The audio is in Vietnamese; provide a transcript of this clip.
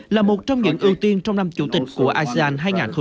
là một trong những ưu tiên trong năm chủ tịch của asean hai nghìn hai mươi